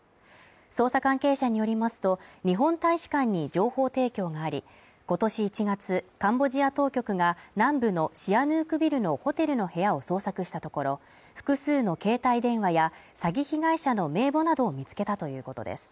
捜査関係者によりますと、日本大使館に情報提供があり、今年１月カンボジア当局が南部のシアヌークビルのホテルの部屋を捜索したところ、複数の携帯電話や詐欺被害者の名簿などを見つけたということです。